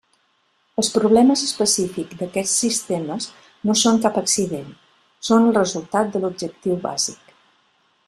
Els problemes específics d'aquests sistemes no són cap accident; són el resultat de l'objectiu bàsic.